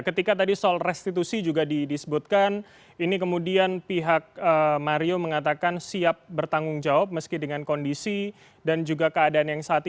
ketika tadi soal restitusi juga disebutkan ini kemudian pihak mario mengatakan siap bertanggung jawab meski dengan kondisi dan juga keadaan yang saat ini